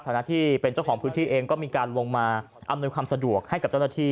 ฐานะที่เป็นเจ้าของพื้นที่เองก็มีการลงมาอำนวยความสะดวกให้กับเจ้าหน้าที่